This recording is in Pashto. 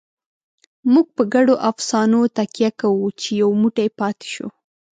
موږ په ګډو افسانو تکیه کوو، چې یو موټی پاتې شو.